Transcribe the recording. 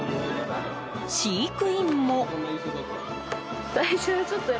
飼育員も。